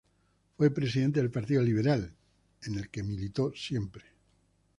Fue presidente del partido Liberal, en el que siempre militó.